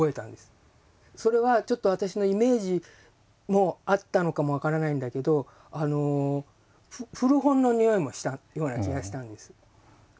それはちょっと私のイメージもあったのかも分からないんだけど古本の匂いもしたような気がしたんです。